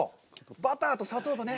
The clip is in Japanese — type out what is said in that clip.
バターと砂糖とね。